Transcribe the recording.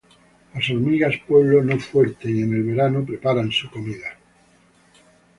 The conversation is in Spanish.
Las hormigas, pueblo no fuerte, Y en el verano preparan su comida;